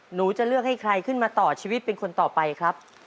หนูจะเลือกให้ใครขึ้นมาต่อชีวิตเป็นคนต่อไปครับ